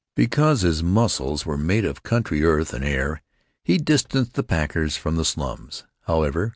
Because his muscles were made of country earth and air he distanced the packers from the slums, however.